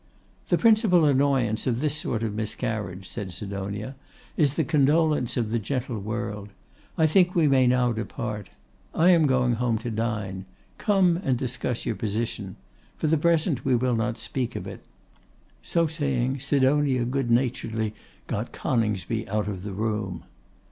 'The principal annoyance of this sort of miscarriage,' said Sidonia, 'is the condolence of the gentle world. I think we may now depart. I am going home to dine. Come, and discuss your position. For the present we will not speak of it.' So saying, Sidonia good naturedly got Coningsby out of the room.